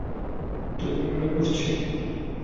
তোকে মনে পড়ছে।